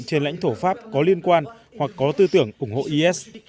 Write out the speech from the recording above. trên lãnh thổ pháp có liên quan hoặc có tư tưởng ủng hộ is